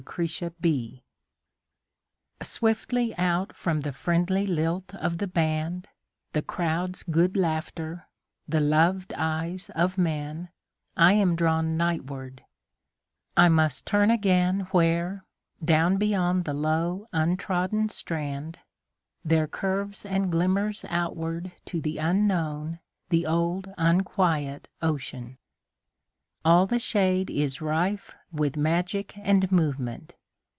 Seaside SWIFTLY out from the friendly lilt of the band, The crowd's good laughter, the loved eyes of men,I am drawn nightward; I must turn againWhere, down beyond the low untrodden strand, There curves and glimmers outward to the unknownThe old unquiet ocean. All the shadeIs rife with magic and movement.